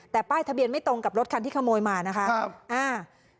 แต่ป้ายทะเบียนไม่ตรงกับรถคันที่ขโมยมานะคะครับอ่า